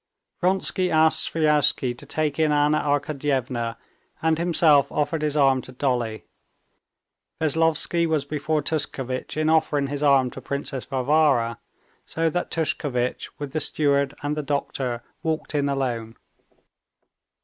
Vronsky asked Sviazhsky to take in Anna Arkadyevna, and himself offered his arm to Dolly. Veslovsky was before Tushkevitch in offering his arm to Princess Varvara, so that Tushkevitch with the steward and the doctor walked in alone.